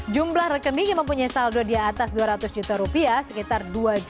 jumlah rekening yang mempunyai saldo di atas dua ratus juta rupiah sekitar dua juta